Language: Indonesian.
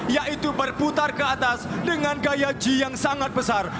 yaitu berputar ke atas dengan gaya g yang sangat besar